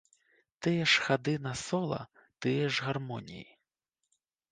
Тыя ж хады на сола, тыя ж гармоніі.